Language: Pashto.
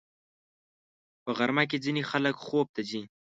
په غرمه کې ځینې خلک خوب ته ځي